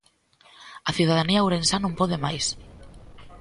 "A cidadanía ourensá non pode máis".